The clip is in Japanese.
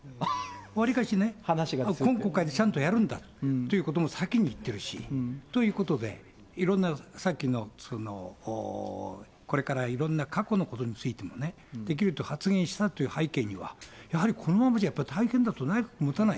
わりかしね、今国会でちゃんとやるんだということも先に言ってるし、ということで、いろんなさっきの、これからいろんな過去のことについてもね、できると発言したという背景には、やはりこのままじゃ大変だと、内閣もたない。